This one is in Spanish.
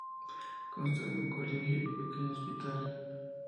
Consta de un colegio y un pequeño hospital.